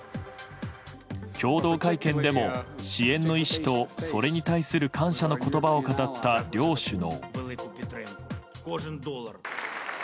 共同会見でも支援の意思とそれに対する感謝の言葉を語った両首脳。